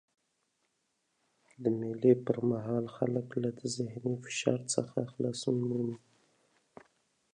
د مېلو پر مهال خلک له ذهني فشار څخه خلاصون مومي.